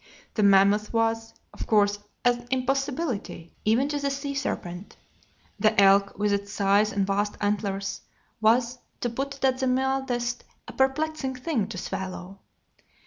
The mammoth was, of course, an impossibility, even to the sea serpent. The elk, with its size and vast antlers, was, to put it at the mildest, a perplexing thing to swallow.